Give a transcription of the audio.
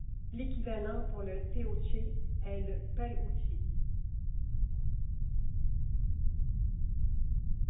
L’équivalent pour le teochew est le Pêh-uē-jī.